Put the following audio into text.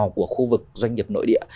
của khu vực doanh nghiệp nội địa